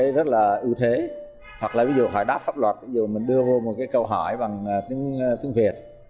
rất là ưu thế hoặc là ví dụ hỏi đáp pháp luật ví dụ mình đưa vô một cái câu hỏi bằng tiếng việt